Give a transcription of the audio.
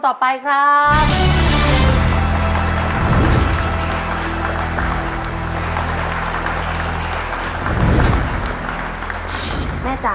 ขอบคุณค่ะ